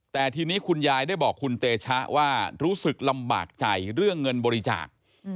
แต่ทีนี้คุณยายได้บอกคุณเตชะว่ารู้สึกลำบากใจเรื่องเงินบริจาค